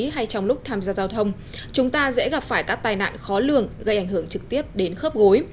hay trong lúc tham gia giao thông chúng ta dễ gặp phải các tai nạn khó lường gây ảnh hưởng trực tiếp đến khớp gối